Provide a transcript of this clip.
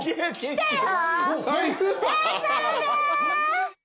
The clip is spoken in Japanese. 来たよ！